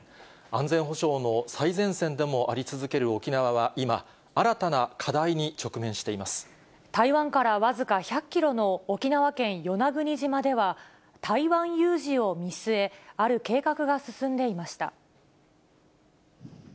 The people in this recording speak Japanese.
安全保障の最前線でもあり続ける沖縄は今、新たな課題に直面して台湾から僅か１００キロの沖縄県与那国島では、台湾有事を見据え、ある計画が進んでいました。